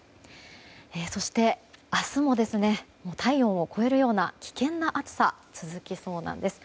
そして明日も体温を超えるような危険な暑さが続きそうなんです。